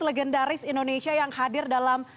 legendaris indonesia yang hadir dalam